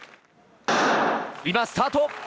今、スタート。